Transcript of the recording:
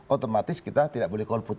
otomatis kita tidak boleh call put